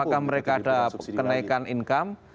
apakah mereka ada kenaikan income